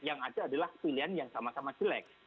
yang ada adalah pilihan yang sama sama jelek